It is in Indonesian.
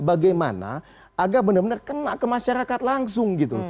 bagaimana agar benar benar kena ke masyarakat langsung gitu